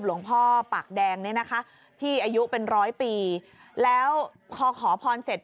วัดหลวงพ่อปากแดงนี้นะคะที่อายุเป็น๑๐๐ปีแล้วขอขอผ่อนเสร็จ